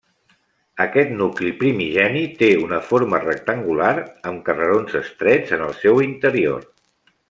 Aquest nucli primigeni té una forma rectangular, amb carrerons estrets en el seu interior.